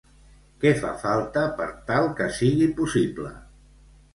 Què fa falta per tal que sigui possible?